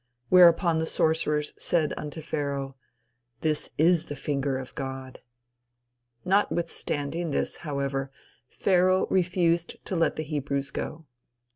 Whereupon the sorcerers said unto Pharaoh: "This is the finger of God." Notwithstanding this, however, Pharaoh refused to let the Hebrews go.